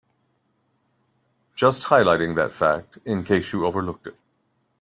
Just highlighting that fact in case you overlooked it.